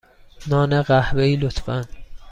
نان قهوه ای، لطفا.